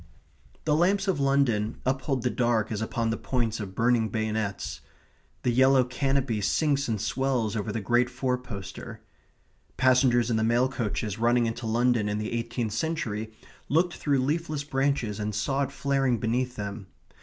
The lamps of London uphold the dark as upon the points of burning bayonets. The yellow canopy sinks and swells over the great four poster. Passengers in the mail coaches running into London in the eighteenth century looked through leafless branches and saw it flaring beneath them.